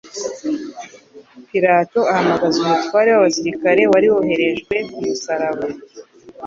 Pilato ahamagaza umutware w'abasirikari wari woherejwe ku musaraba,